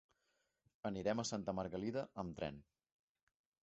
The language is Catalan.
Anirem a Santa Margalida amb tren.